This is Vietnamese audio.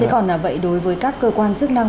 thế còn là vậy đối với các cơ quan chức năng